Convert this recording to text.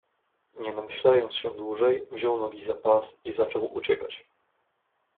"Nie namyślając się dłużej, wziął nogi za pas i zaczął uciekać."